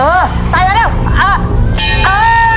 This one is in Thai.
แม่เออใส่มาเร็วอ่ะเออ